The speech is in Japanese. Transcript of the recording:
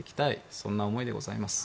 そんな思いでございます。